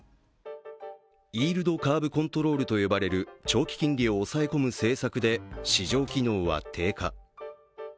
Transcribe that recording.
イールドカーブコントロールと呼ばれる長期金利を抑え込む政策で市場機能は低下。